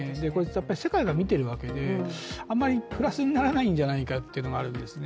やっぱり世界が見てるわけであんまりプラスにならないんじゃないかっていうのがあるんですね。